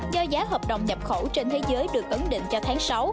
do giá hợp đồng nhập khẩu trên thế giới được ấn định cho tháng sáu